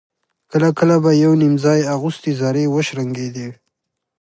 کله کله به يو _نيم ځای اغوستې زرې وشرنګېدې.